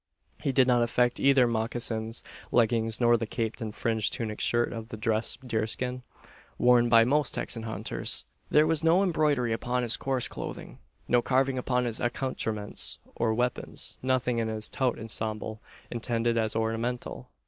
He did not affect either mocassins, leggings, nor the caped and fringed tunic shirt of dressed deerskin worn by most Texan hunters. There was no embroidery upon his coarse clothing, no carving upon his accoutrements or weapons, nothing in his tout ensemble intended as ornamental.